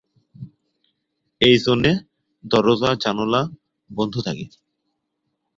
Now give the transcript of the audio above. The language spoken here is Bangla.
এই জন্যে দরজা-জানোলা বন্ধ থাকে।